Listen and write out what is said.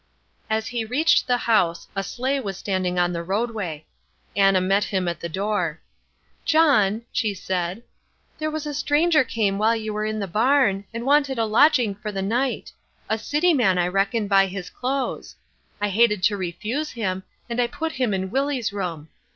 As he reached the house a sleigh was standing on the roadway. Anna met him at the door. "John," she said, "there was a stranger came while you were in the barn, and wanted a lodging for the night; a city man, I reckon, by his clothes. I hated to refuse him, and I put him in Willie's room.